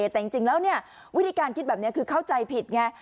แต่จริงแล้ววิธีการคิดแบบนี้คือเข้าใจผิดไง